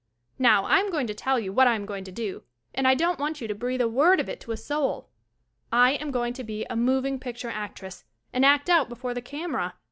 Now, I am going to tell you what I am going to do and I don't want you to breathe a word of it to a soul. I am going to be a moving picture actress and act out before the camera.